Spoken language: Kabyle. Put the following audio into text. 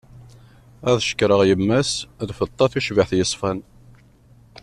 Ad cekkreɣ yemma-s, lfeṭṭa tucbiḥt yeṣfan.